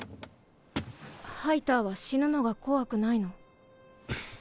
ハイターは死ぬのが怖くないの？